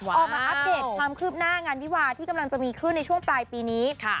อัปเดตความคืบหน้างานวิวาที่กำลังจะมีขึ้นในช่วงปลายปีนี้